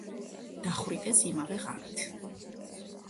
დახვრიტეს იმავე ღამით.